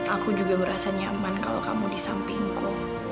aku juga merasa nyaman kalau kamu di sampingku